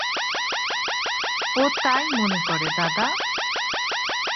ও তাই মনে করে দাদা।